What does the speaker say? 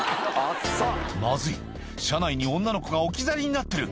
「まずい車内に女の子が置き去りになってる」